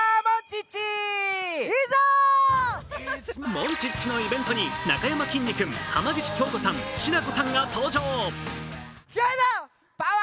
モンチッチのイベントになかやまきんに君、浜口京子さん、しなこさんが登場。